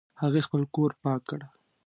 هغې خپل کور پاک کړ